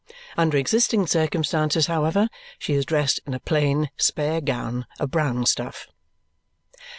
Under existing circumstances, however, she is dressed in a plain, spare gown of brown stuff.